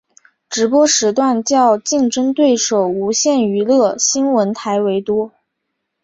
直播时段较竞争对手无线娱乐新闻台为多。